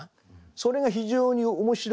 それが非常に面白くね。